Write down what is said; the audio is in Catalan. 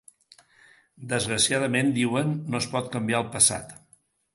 Desgraciadament, diuen, no es pot canviar el passat.